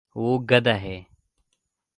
وہ گد ہ ہے